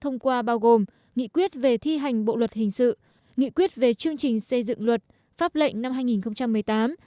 năm nghị quyết về chương trình xây dựng luật pháp lệnh năm hai nghìn một mươi tám